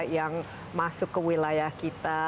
yang masuk ke wilayah kita